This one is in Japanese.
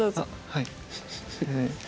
はい。